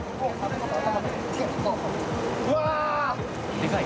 でかい？